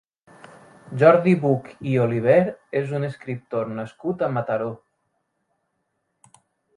Jordi Buch i Oliver és un escriptor nascut a Mataró.